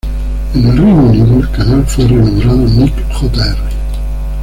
En Reino Unido el canal fue re-nombrado "Nick Jr.